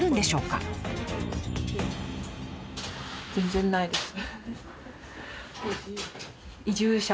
全然ないです。